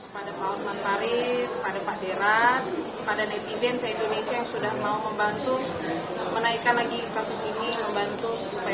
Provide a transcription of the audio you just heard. kepada pak hotman paris kepada pak dera pada netizen saya indonesia yang sudah mau membantu menaikkan lagi kasus ini membantu supaya